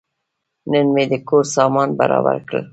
نن مې د کور سامان برابر کړ.